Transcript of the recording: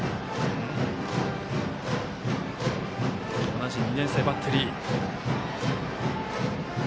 同じ２年生バッテリー。